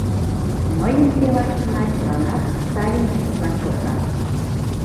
— Мыйым селаштына чыланат сталинистлан шотлат.